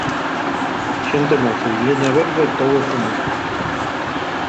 Xente mozu y lleña verde tou e ḥumu.